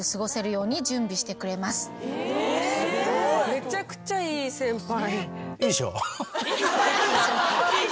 めちゃくちゃいい先輩。